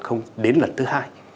không đến lần thứ hai